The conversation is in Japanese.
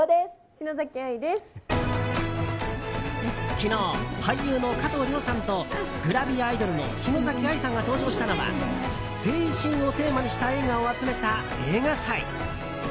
昨日、俳優の加藤諒さんとグラビアアイドルの篠崎愛さんが登場したのは青春をテーマにした映画を集めた映画祭。